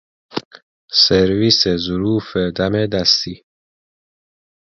سرویس ظروف دم دستی